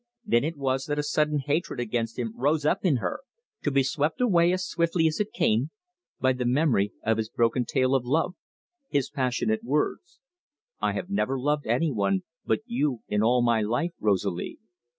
Then it was that a sudden hatred against him rose up in her to be swept away as swiftly as it came by the memory of his broken tale of love, his passionate words: "I have never loved any one but you in all my life, Rosalie."